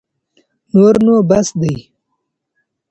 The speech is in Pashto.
نور نو بس دی.